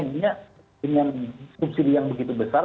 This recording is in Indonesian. intinya dengan subsidi yang begitu besar